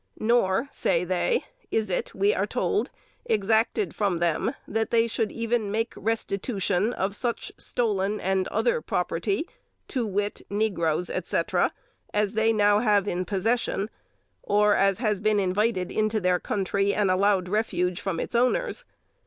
Nor (say they) is it, we are told, exacted from them that they should even make restitution of such stolen and other property, to wit, NEGROES, etc., as they now have in possession, or as has been invited into their country and allowed refuge from its owners.